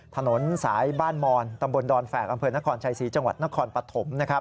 ถนนสายบ้านมอนตำบลดอนแฝกอำเภอนครชัยศรีจังหวัดนครปฐม